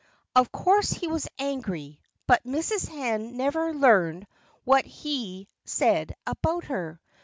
Of course he was angry. But Mrs. Hen never learned what he said about her.